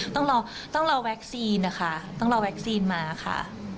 ต้องรอแวคซีนค่ะต้องรอแวคซีนมามาค่ะ